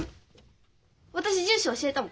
私住所教えたもん。